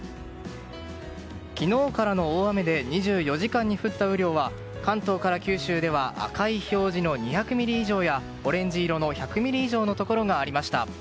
昨日からの大雨で２４時間に降った雨量は関東から九州では赤い表示の２００ミリ以上やオレンジ色の１００ミリ以上のところがありました。